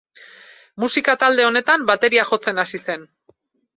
Musika talde honetan bateria jotzen hasi zen.